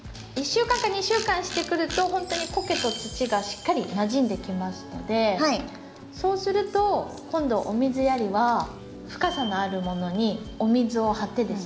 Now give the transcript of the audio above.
１週間か２週間してくるとほんとにコケと土がしっかりなじんできますのでそうすると今度お水やりは深さのあるものにお水を張ってですね